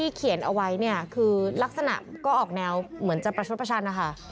เขียนเอาไว้เนี่ยคือลักษณะก็ออกแนวเหมือนจะประชดประชันนะคะ